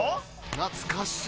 懐かしい。